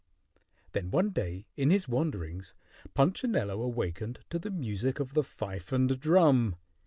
Then one day in his wanderings Punchinello awakened to the music of the fife and drum.